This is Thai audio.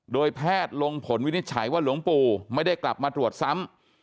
โดยแพทย์ลงผลวินิจฉัยว่าหลวงปู่ไม่ได้กลับมาตรวจซ้ำ